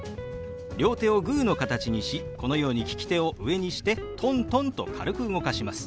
両手をグーの形にしこのように利き手を上にしてトントンと軽く動かします。